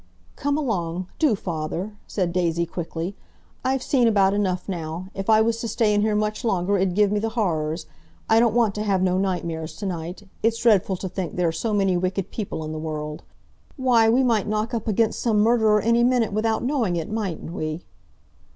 "Come along—do, father!" said Daisy quickly. "I've seen about enough now. If I was to stay in here much longer it 'ud give me the horrors. I don't want to have no nightmares to night. It's dreadful to think there are so many wicked people in the world. Why, we might knock up against some murderer any minute without knowing it, mightn't we?"